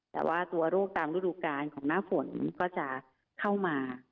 แต่ว่าตัวโรคตามฤดูการของหน้าฝนก็จะเข้ามา